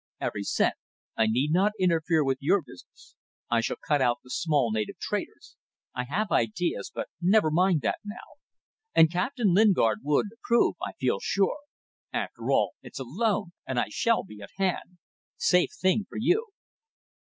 "Every cent. I need not interfere with your business. I shall cut out the small native traders. I have ideas but never mind that now. And Captain Lingard would approve, I feel sure. After all it's a loan, and I shall be at hand. Safe thing for you."